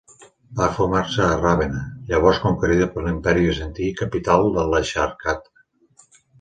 Va formar-se a Ravenna, llavors conquerida per l'Imperi Bizantí i capital de l'Exarcat.